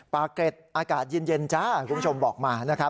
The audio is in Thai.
ปราเกร็ดอากาศเย็นจ้ะคุณผู้ชมบอกมา